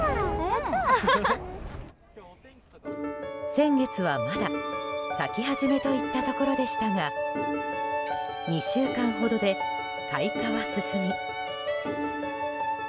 先月はまだ咲き始めといったところでしたが２週間ほどで開花は進み。